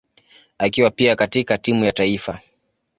akiwa pia katika timu ya taifa.